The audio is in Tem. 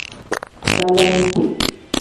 Belente.